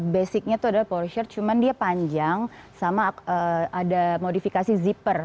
basicnya tuh adalah polo shirt cuman dia panjang sama ada modifikasi zipper